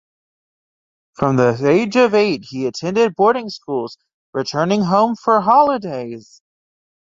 From the age of eight he attended boarding schools, returning home for holidays.